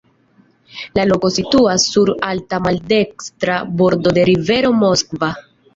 La loko situas sur alta maldekstra bordo de rivero Moskva.